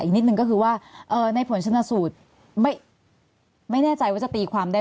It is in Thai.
นิดนึงก็คือว่าในผลชนะสูตรไม่แน่ใจว่าจะตีความได้